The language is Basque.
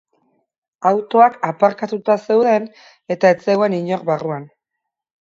Autoak aparkatuta zeuden eta ez zegoen inor barruan.